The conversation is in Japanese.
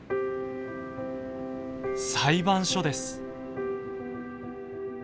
裁判所です。